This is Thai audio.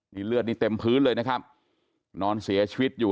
นี่เลือดนี่เต็มพื้นเลยนะครับนอนเสียชีวิตอยู่